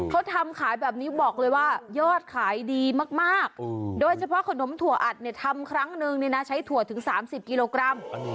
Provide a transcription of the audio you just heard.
เขาทำขายแบบนี้บอกเลยว่ายอดขายดีมากโดยเฉพาะขนมถั่วอัดเนี่ยทำครั้งนึงเนี่ยนะใช้ถั่วถึง๓๐กิโลกรัม